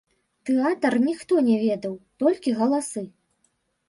Тэатр ніхто не ведаў, толькі галасы.